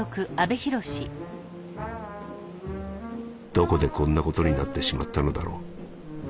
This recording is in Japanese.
「どこでこんなことになってしまったのだろう。